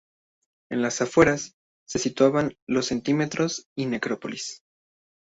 En las afueras se situaban los cementerios y necrópolis.